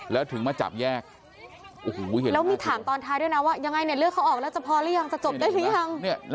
แล้วถึงมาจับแยกโอ้โหเห็นแล้วมีถามตอนท้ายด้วยนะว่ายังไงเนี่ยเลือดเขาออกแล้วจะพอหรือยังจะจบได้หรือยัง